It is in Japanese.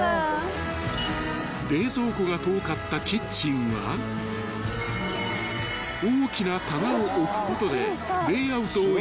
［冷蔵庫が遠かったキッチンは大きな棚を置くことでレイアウトを一新］